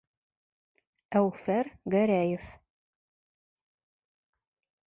Әүфәр Гәрәев: